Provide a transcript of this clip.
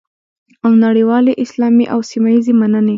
او نړیوالې، اسلامي او سیمه ییزې مننې